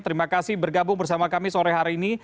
terima kasih bergabung bersama kami sore hari ini